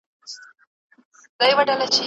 په بدل کي د هغوی سر او مال خوندي ساتل کيږي.